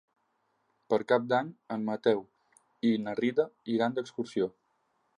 Per Cap d'Any en Mateu i na Rita iran d'excursió.